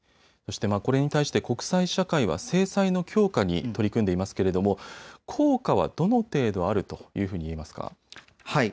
それに対して国際社会は制裁の強化に取り組んでいますけれども効果はどの程度あるというふうに言えますか。